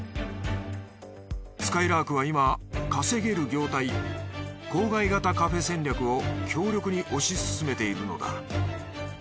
すかいらーくは今稼げる業態郊外型カフェ戦略を強力に推し進めているのだ。